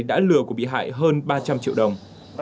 đã lừa của bị hại hơn ba trăm linh triệu đồng